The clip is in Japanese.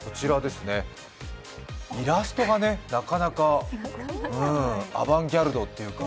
イラストがなかなかアバンギャルドというか。